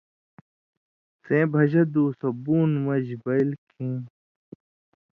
سېں بھجہ دُو سو بُوند مژ بئیل کھیں